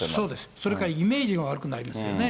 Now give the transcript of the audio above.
それからイメージが悪くなりますよね。